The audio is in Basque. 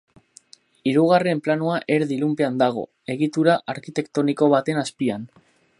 Hirugarren planoa erdi ilunpean dago, egitura arkitektoniko baten azpian.